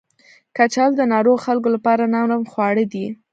کچالو د ناروغو خلکو لپاره نرم خواړه دي